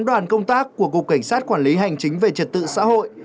đoàn công tác của cục cảnh sát quản lý hành chính về trật tự xã hội